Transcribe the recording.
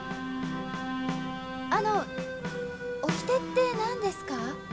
あのうおきてって何ですか？